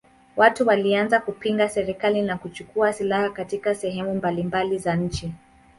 Watu walianza kupinga serikali na kuchukua silaha katika sehemu mbalimbali za nchi.